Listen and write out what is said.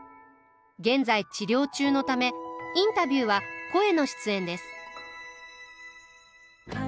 現在治療中のためインタビューは声の出演です。